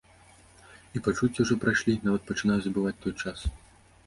І пачуцці ўжо прайшлі, нават пачынаю забываць той час.